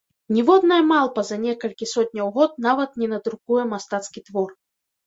Ніводная малпа за некалькі сотняў год нават не надрукуе мастацкі твор.